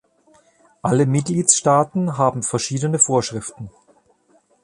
Alle Mitgliedstaaten haben verschiedene Vorschriften.